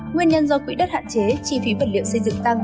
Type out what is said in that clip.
nguyên nhân do quỹ đất hạn chế chi phí vật liệu xây dựng tăng